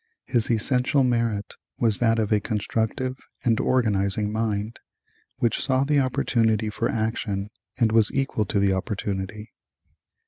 His essential merit was that of a constructive and organizing mind, which saw the opportunity for action and was equal to the opportunity.